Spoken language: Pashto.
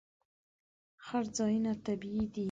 څړځایونه طبیعي دي.